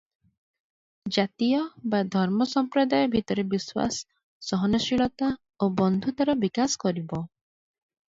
ଜାତୀୟ ବା ଧର୍ମ ସମ୍ପ୍ରଦାୟ ଭିତରେ ବିଶ୍ୱାସ, ସହନଶୀଳତା ଓ ବନ୍ଧୁତାର ବିକାଶ କରିବ ।